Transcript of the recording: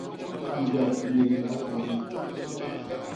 Njok i yé nuga keñi.